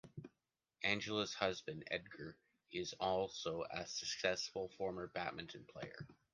Angela's husband, Edgar, is also a successful former badminton player.